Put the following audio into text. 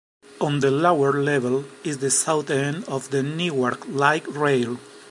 On the lower level is the south end of the Newark Light Rail.